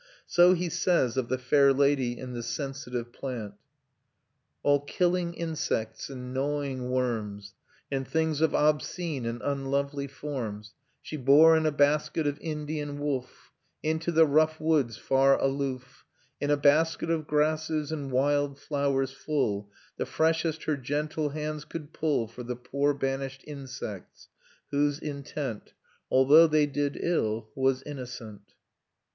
So he says of the fair lady in the Sensitive Plant: "All killing insects and gnawing worms, And things of obscene and unlovely forms, She bore in a basket of Indian woof, Into the rough woods far aloof In a basket of grasses and wild flowers full, The freshest her gentle hands could pull For the poor banished insects, whose intent, Although they did ill, was innocent."